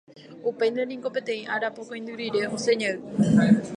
Upéinte niko peteĩ arapokõindy rire osẽjey